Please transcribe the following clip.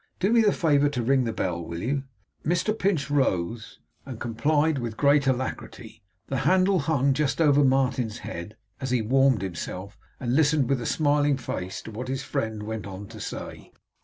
Do me the favour to ring the bell, will you?' Mr Pinch rose, and complied with great alacrity the handle hung just over Martin's head, as he warmed himself and listened with a smiling face to what his friend went on to say.